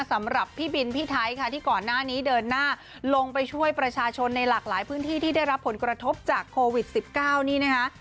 สำหรับพี่บินพี่ไทยค่ะที่ก่อนหน้านี้เดินหน้าลงไปช่วยประชาชนในหลากหลายพื้นที่ที่ได้รับผลกระทบจากโควิด๑๙นี่นะคะ